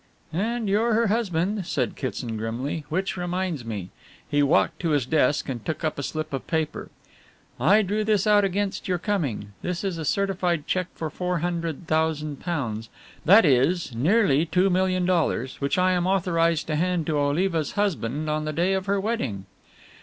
"And you're her husband," said Kitson grimly, "which reminds me." He walked to his desk and took up a slip of paper. "I drew this out against your coming. This is a certified cheque for £400,000, that is nearly two million dollars, which I am authorized to hand to Oliva's husband on the day of her wedding."